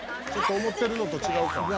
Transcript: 「思ってるのと違うか」